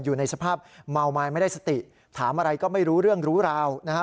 อยู่ในสภาพเมาไม้ไม่ได้สติถามอะไรก็ไม่รู้เรื่องรู้ราวนะฮะ